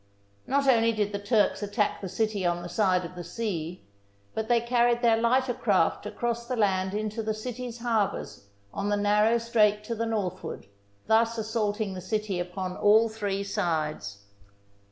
Not only did the Turks attack the city on the side of the sea, but they carried their lighter craft across the land into the city's harbours on the nar row strait to the northward, thus assaulting the city upon all three sides.